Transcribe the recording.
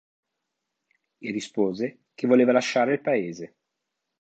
E rispose che voleva lasciare il paese.